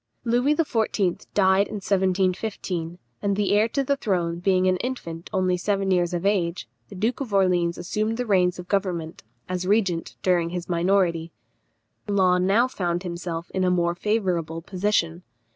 Louis XIV. died in 1715, and the heir to the throne being an infant only seven years of age, the Duke of Orleans assumed the reins of government, as regent, during his minority. Law now found himself in a more favourable position.